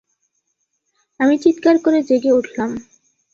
আমি চিৎকার করে জেগে উঠলাম।